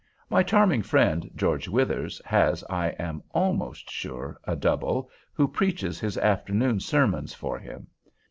My charming friend, George Withers, has, I am almost sure, a double, who preaches his afternoon sermons for him.